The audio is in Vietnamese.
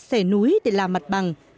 xẻ núi để làm mặt bằng